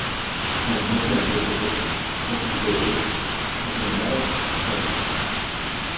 A la muerte de Alberto Costa, obispo de Lecce, fue nombrado su sucesor.